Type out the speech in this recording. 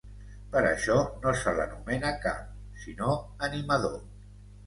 Per això no se l’anomena Cap, sinó Animador.